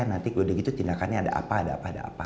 nanti udah gitu tindakannya ada apa ada apa ada apa